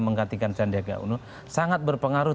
menggantikan sandiaga uno sangat berpengaruh